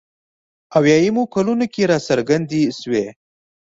اویایمو کلونو کې راڅرګندې شوې.